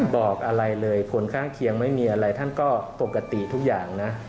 บอกอะไรเลยผลข้างเคียงไม่มีอะไรท่านก็ปกติทุกอย่างนะ